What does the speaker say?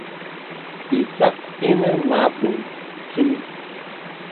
Ìsak ìnə mə abəŋ kìlì.